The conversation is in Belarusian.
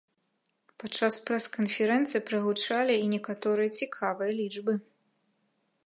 Падчас прэс-канферэнцыі прагучалі і некаторыя цікавыя лічбы.